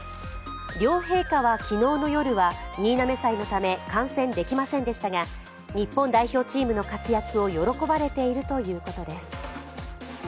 両陛下は昨日の夜は、新嘗祭のため観戦できませんでしたが日本代表チームの活躍を喜ばれているということです。